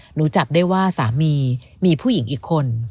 หนูจับได้ว่าสามีมีผู้หญิงอีกคน